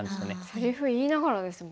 せりふ言いながらですもんね。